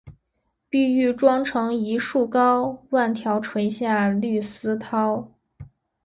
碧玉妆成一树高，万条垂下绿丝绦